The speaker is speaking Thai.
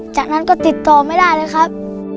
จากนั้นก็ติดต่อไม่ได้เลยครับ